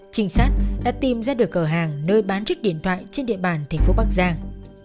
trinh sát đã tìm ra được cửa hàng nơi bán chiếc điện thoại trên địa bàn thành phố bắc giang